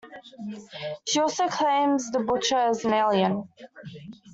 She also claims the Butcher is an alien.